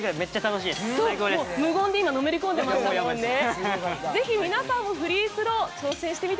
無言でのめり込んでましたもんね。